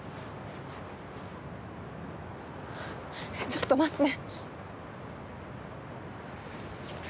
ちょっと待って。